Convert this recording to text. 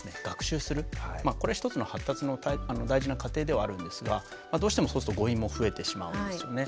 これは一つの発達の大事な過程ではあるんですがどうしてもそうすると誤飲も増えてしまうんですよね。